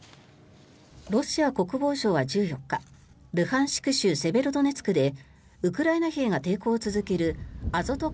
ロシア国防省は１４日ルハンシク州セベロドネツクでウクライナ兵が抵抗を続けるアゾト